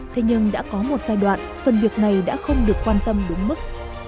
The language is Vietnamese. thế nhưng đã có một giai đoạn phần việc này đã không được quan tâm đúng mức